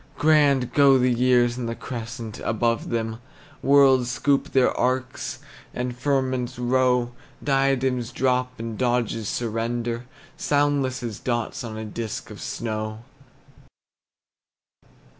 Grand go the years in the crescent above them; Worlds scoop their arcs, and firmaments row, Diadems drop and Doges surrender, Soundless as dots on a disk of snow.